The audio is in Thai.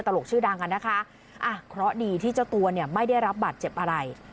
ตลกชื่อดังอ่ะนะคะอ่ะเคราะห์ดีที่เจ้าตัวเนี่ยไม่ได้รับบาดเจ็บอะไร